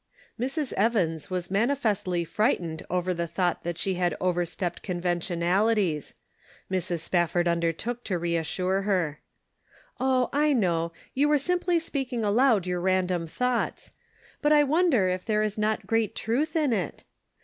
Mrs. Evans was manifestly frightened over the thought that she had overstepped conven Subtle Distinctions. 133 tionalitles. Mrs. Spafford undertook to reas sure her. " Oh, I know ; you were simply speaking aloud your random thoughts. But I wonder if there is not great truth in it?